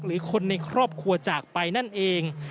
หรือคนในครอบครัวจากไปนั่นเอง